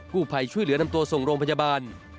ผู้ภัยช่วยเหลือนำตัวส่งโรงพยาบาล